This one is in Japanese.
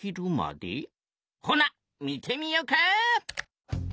ほな見てみよか！